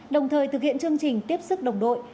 đồng thời thực hiện chương trình tiếp sức đồng đội